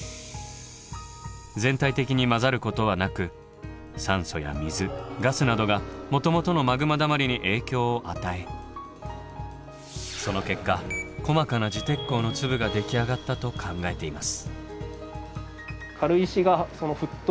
全体的に混ざることはなく酸素や水ガスなどがもともとのマグマだまりに影響を与えその結果細かな磁鉄鉱の粒ができ上がったと考えています。